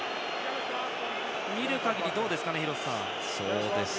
見る限り、どうですか廣瀬さん。